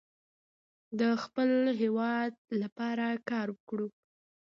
د خپل هیواد لپاره کار وکړو.